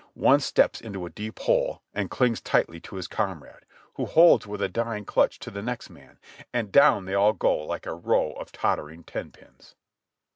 One steps into a deep hole and clings tightly to his comrade, who holds with a dying clutch to the next man, and down they all go like a row of tottering ten pins.